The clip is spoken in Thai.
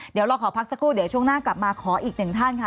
เดี๋ยวเราขอพักสักครู่เดี๋ยวช่วงหน้ากลับมาขออีกหนึ่งท่านค่ะ